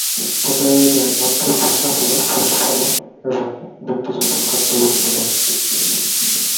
তাদের একমাত্র পেশা হলো পশুপালন এবং দুগ্ধজাত খাদ্য উৎপাদন।